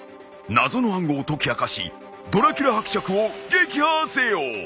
謎の暗号を解き明かしドラキュラ伯爵を撃破せよ。